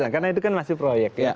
karena itu kan masih proyek